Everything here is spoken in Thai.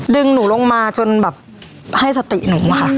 หนูลงมาจนแบบให้สติหนูอะค่ะ